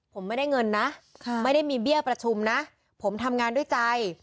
ผมไม่ได้เงินนะไม่ได้มีเบี้ยประชุมนะผมทำงานด้วยใจ